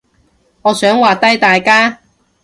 我想畫低大家